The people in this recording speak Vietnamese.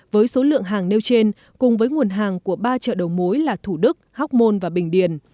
với số lượng hàng nêu trên cùng với nguồn hàng của ba chợ đầu mối là thủ đức hóc môn và bình điền